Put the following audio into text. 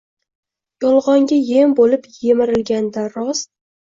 Yolg’onga yem bo’lib yemrilganda Rost